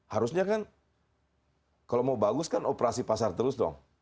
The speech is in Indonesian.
harusnya kan kalau mau bagus kan operasi pasar terus dong